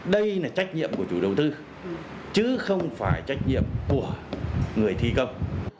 đây là trách nhiệm của chủ đầu tư chứ không phải trách nhiệm của người thi công